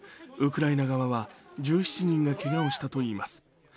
ウクライナ側は、１７人がけがをしたといいます。